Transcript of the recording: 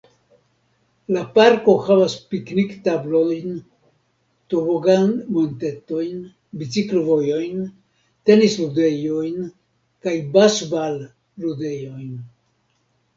La parko havas piknik-tablojn, tobogan-montetojn, biciklo-vojojn, tenis-ludejojn, kaj basbal-ludejojn.